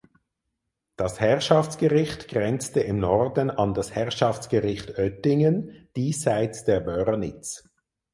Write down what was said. Das Herrschaftsgericht grenzte im Norden an das Herrschaftsgericht Oettingen diesseits der Wörnitz.